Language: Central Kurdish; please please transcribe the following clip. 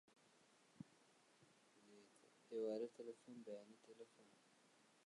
ئێوارە تەلەفۆن، بەیانی تەلەفۆن